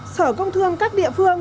sở công thương các địa phương